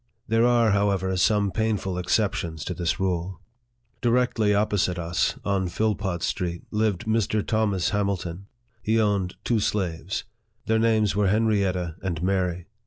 There are, however, some painful exceptions to this rule. Directly opposite to us, on Philpot Street, lived Mr. Thomas Hamilton. He owned two slaves. Their names were Henrietta and Mary.